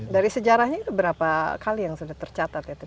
dari sejarahnya itu berapa kali yang sudah tercatat ya tadi di bensana